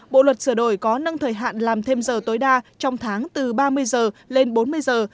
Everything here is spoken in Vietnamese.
bộ luật sửa đổi có nâng thời hạn làm thêm giờ tối đa trong tháng từ ba mươi giờ lên bốn mươi giờ